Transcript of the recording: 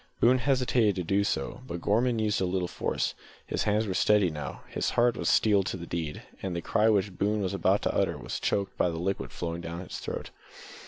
Boone hesitated to do so, but Gorman used a little force. His hands were steady now! His heart was steeled to the deed, and the cry which Boone was about to utter was choked by the liquid flowing down his throat.